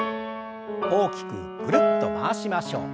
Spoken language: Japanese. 大きくぐるっと回しましょう。